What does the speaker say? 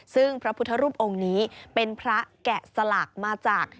ซึ่งพระพุทธรูปองค์นี้เป็นพระแกะสลักมาจาก